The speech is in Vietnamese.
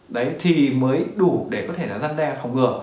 đấy thì mới đủ để có thể là giăn đe phòng ngừa